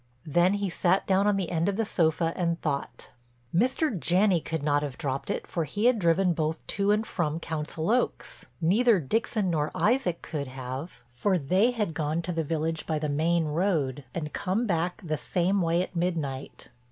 Then he sat down on the end of the sofa and thought. Mr. Janney could not have dropped it for he had driven both to and from Council Oaks. Neither Dixon nor Isaac could have, for they had gone to the village by the main road and come back the same way at midnight.